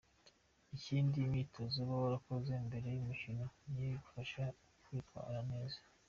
Ikindi, imyitozo uba warakoze mbere y’umukino niyo igufasha kwitwara neza.